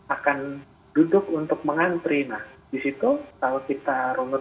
akan duduk untuk mengantri nah di situ kalau kita berada di rumah sakit